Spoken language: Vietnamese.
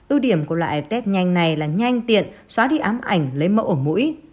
ưu điểm của loại test nhanh này là nhanh tiện xóa đi ám ảnh lấy mẫu ổ mũi